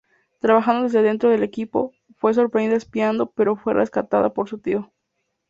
Trabajando desde dentro del equipo, fue sorprendida espiando, pero fue rescatada por su tío.